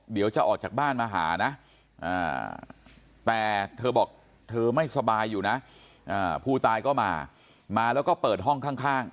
เดี๋ยวจะออกจากบ้านมาหานะแต่เธอบอกเธอไม่สบายอยู่นะผู้ตายก็มามาแล้วก็เปิดห้องข้าง